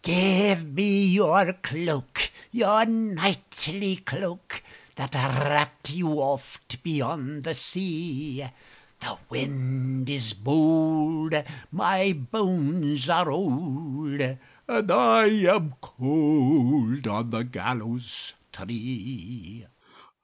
"Give me your cloak, your knightly cloak, That wrapped you oft beyond the sea; The wind is bold, my bones are old, And I am cold on the gallows tree."